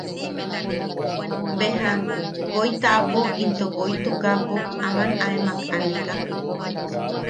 Beja woi taʼapo into woi tukapo aman aemak aneka.